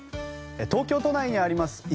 東京都内にあります